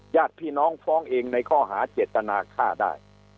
ญาติพี่น้องฟ้องเองในข้อหาเจตนาฆ่าได้